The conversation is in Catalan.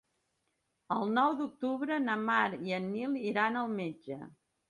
El nou d'octubre na Mar i en Nil iran al metge.